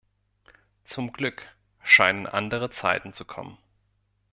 Zum Glück scheinen andere Zeiten zu kommen.